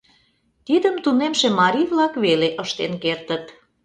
Тидым тунемше марий-влак веле ыштен кертыт.